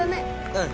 うん。